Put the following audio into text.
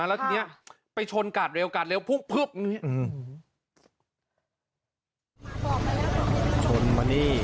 แล้วทีนี้ไปชนกัดเร็วกัดเร็วพึ่บ